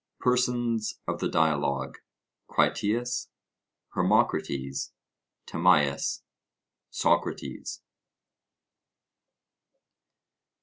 PERSONS OF THE DIALOGUE: Critias, Hermocrates, Timaeus, Socrates.